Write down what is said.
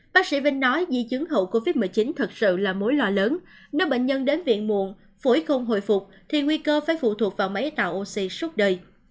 bác sĩ vinh nói di chứng hậu covid một mươi chín thật sự là mối lo lớn nếu bệnh nhân đến viện muộn phổi không hồi phục thì nguy cơ phải phụ thuộc vào máy tạo oxy suốt đời